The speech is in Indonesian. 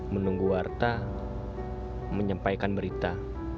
menunggu harta menyampaikan berita